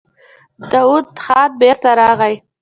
داوود خان بېرته راغی.